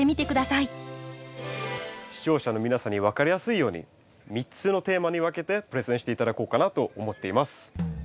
視聴者の皆さんに分かりやすいように３つのテーマに分けてプレゼンして頂こうかなと思っています。